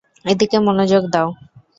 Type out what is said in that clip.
এদিকে মনোযোগ দাও।